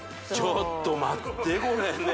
ちょっと待ってこれね